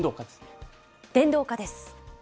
電動化です。